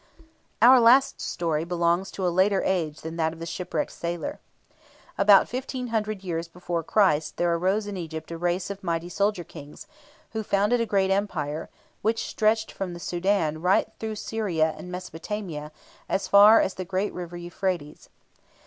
Our last story belongs to a later age than that of the Shipwrecked Sailor. About 1,500 years before Christ there arose in Egypt a race of mighty soldier Kings, who founded a great empire, which stretched from the Soudan right through Syria and Mesopotamia as far as the great River Euphrates.